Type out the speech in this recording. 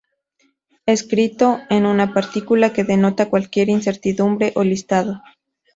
Escrito やら, es una partícula que denota cualquier incertidumbre o listado.